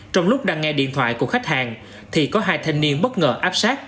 trong lúc đăng nghe điện thoại của khách hàng thì có hai thanh niên bất ngờ áp sát